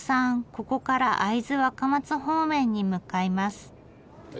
ここから会津若松方面に向かいます。